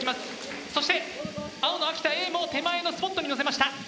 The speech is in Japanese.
そして青の秋田Ａも手前のスポットに乗せました。